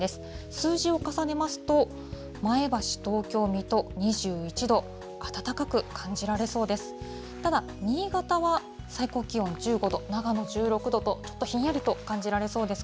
数字を重ねますと、前橋、東京、水戸、２１度、暖かく感じられそうです。